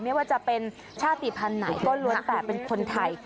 ไม่ว่าจะเป็นชาติภัณฑ์ไหนก็ล้วนแต่เป็นคนไทย